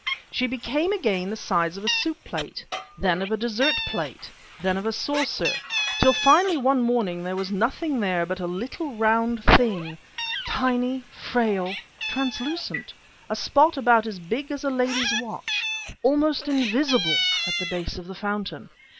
She became again the size of a soup plate, then of a dessert plate, then of a saucer, till finally one morning there was nothing there but a little round thing, tiny, frail, translucent, a spot about as big as a lady's watch, almost invisible at the base of the fountain.